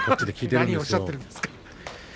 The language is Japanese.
何をおしゃっているんですか。